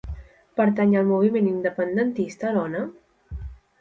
Pertany al moviment independentista l'Ona?